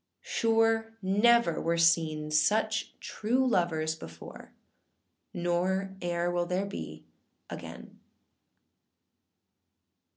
Sure never were seen such true lovers before, Nor eâer will there be again.